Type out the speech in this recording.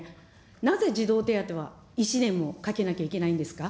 なぜ児童手当は１年もかけなきゃいけないんですか。